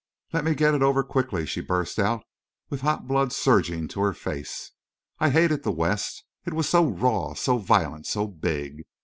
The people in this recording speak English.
"Let me get it over—quickly," she burst out, with hot blood surging to her face. "I—I hated the West. It was so raw—so violent—so big.